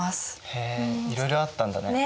へえいろいろあったんだね。